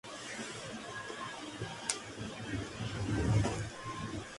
En la actualidad ha diversificado parcialmente su economía con algo de industria ligera.